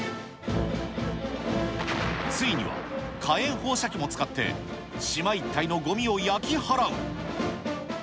ついには火炎放射器も使って、島一帯のごみを焼き払う。